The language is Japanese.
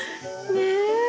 ねえ。